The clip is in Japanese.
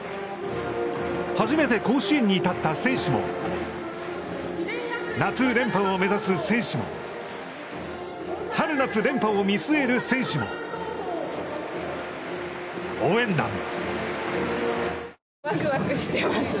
初めて甲子園に立った選手も、夏連覇を目指す選手も、春夏連覇を見据える選手も、応援団も。